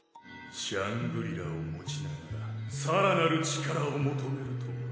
シャングリラを持ちながら更なる力を求めるとは。